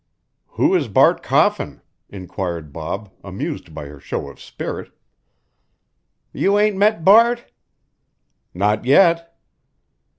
"Who is Bart Coffin?" inquired Bob, amused by her show of spirit. "You ain't met Bart?" "Not yet."